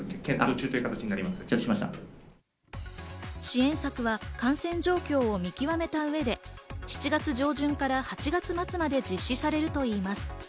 支援策は感染状況を見極めた上で７月上旬から８月末まで実施されるといいます。